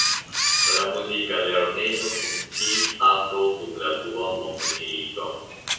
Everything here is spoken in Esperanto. La muzika lernejo funkciis ankaŭ dum la dua mondmilito.